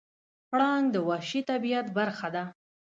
پړانګ د وحشي طبیعت برخه ده.